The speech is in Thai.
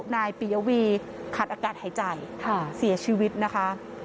นายปียวีขาดอากาศหายใจเสียชีวิตนะคะ